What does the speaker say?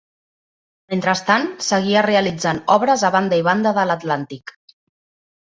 Mentrestant, seguia realitzant obres a banda i banda de l'Atlàntic.